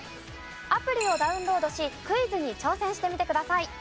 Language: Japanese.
アプリをダウンロードしクイズに挑戦してみてください。